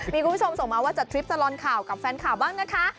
มีคุณผู้ชมส่งมาว่าจัดทริปตลอดข่าวกับแฟนข่าวบ้างนะคะ